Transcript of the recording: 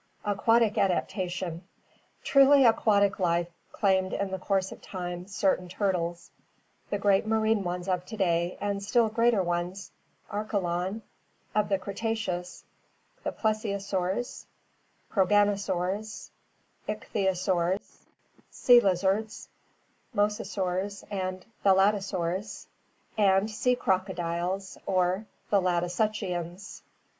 Aquatic Adaptation. — Truly aquatic life claimed in the course of time certain turtles, the great marine ones of to day and still greater ones (Archelon) of the Cretaceous, the plesiosaurs, progano saurs, icbthyosaurs, sea lizards (mosasaurs and thalattosaurs), and sea crocodiles or thalattosuchians (Fig.